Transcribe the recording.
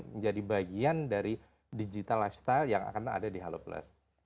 menjadi bagian dari digital lifestyle yang akan ada di halo plus